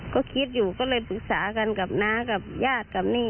ก็คิดอยู่ก็เลยปรึกษากันกับน้ากับญาติกับนี่